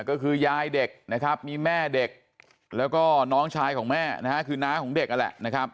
ก็คือยายเด็กนะครับมีแม่เด็กแล้วก็น้องชายของแม่นะฮะคือน้าของเด็กนั่นแหละนะครับ